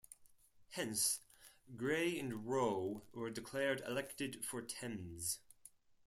Hence Grey and Rowe were declared elected for Thames.